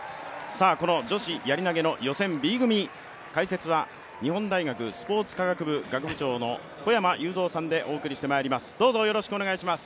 この女子やり投の予選Ｂ組、解説は日本大学スポーツ学部長小山裕三さんでお送りしていきます。